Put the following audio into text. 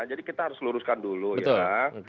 jadi kita harus luruskan dulu ya